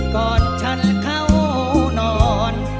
ก่อนฉันเข้านอน